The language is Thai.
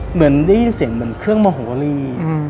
เหมือนได้ยินเสียงเหมือนเครื่องโมโหลี